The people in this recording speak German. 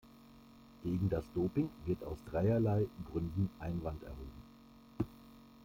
Gegen das Doping wird aus dreierlei Gründen Einwand erhoben.